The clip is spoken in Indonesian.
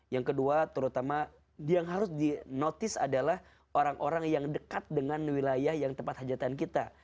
yang kedua terutama yang harus di notice adalah orang orang yang dekat dengan wilayah yang tempat hajatan kita